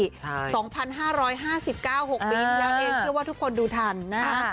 ๒๕๕๙หกปีอย่างเองคิดว่าทุกคนดูถันนะ